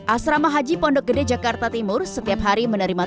asrama haji pondok gede jakarta timur setiap hari menerima